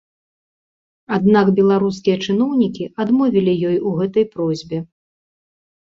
Аднак беларускія чыноўнікі адмовілі ёй у гэтай просьбе.